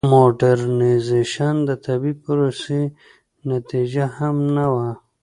د موډرنیزېشن د طبیعي پروسې نتیجه هم نه وه.